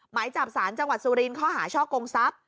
หมายจับสารจังหวัดสุรินทร์ข้อหาช่อกงทรัพย์